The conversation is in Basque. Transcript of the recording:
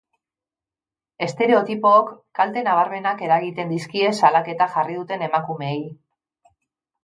Estereotipook kalte nabarmenak eragiten dizkie salaketa jarri duten emakumeei.